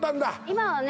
今はね